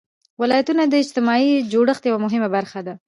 ولایتونه د اجتماعي جوړښت یوه مهمه برخه ده.